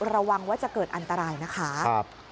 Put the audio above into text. ระวังว่าจะเกิดอันตรายนะคะ